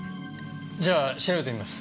じゃあ調べてみます。